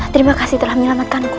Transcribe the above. terima kasih telah menyelamatkan ku